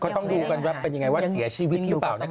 ต้องดูความเป็นอย่างไรว่าเสียชีวิตหรือเปล่า